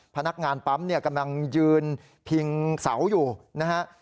พนักงานปั๊มเนี่ยกำลังยืนพิงเสาอยู่นะฮะ